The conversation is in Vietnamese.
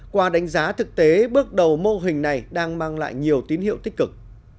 qua đánh giá thực tế bước đầu mô hình này đang mang lại nhiều tín hiệu tích cực